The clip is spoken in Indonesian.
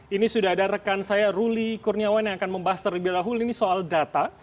ini sudah ada rekan saya ruli kurniawan yang akan membahas terlebih dahulu ini soal data